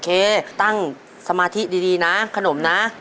เคตั้งสมาธิดีนะขนมนะ